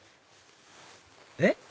えっ？